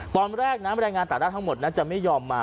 ตอนแรกนะแรงงานต่างด้าวทั้งหมดน่าจะไม่ยอมมา